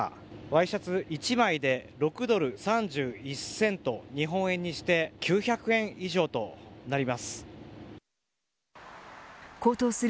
ワイシャツ１枚で６ドル３１セント日本円にして９００円以上となります。